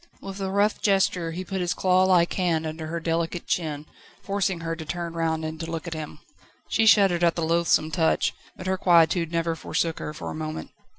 With a rough gesture he put his clawlike hand under her delicate chin, forcing her to turn round and to look at him. She shuddered at the loathsome touch, but her quietude never forsook her for a moment.